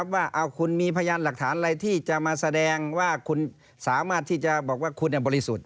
ว่าคุณมีพยานหลักฐานอะไรที่จะมาแสดงว่าคุณสามารถที่จะบอกว่าคุณบริสุทธิ์